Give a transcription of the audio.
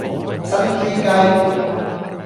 珍珠雞